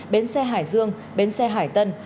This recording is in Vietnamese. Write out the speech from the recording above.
bến xe hải dương bến xe hải tân